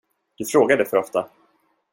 Du frågar det för ofta.